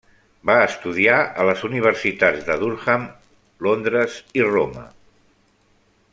Va estudiar a les universitats de Durham, Londres i Roma.